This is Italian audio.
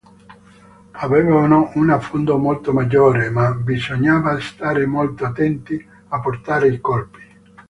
Avevano un affondo molto maggiore, ma bisognava stare molto attenti a portare i colpi.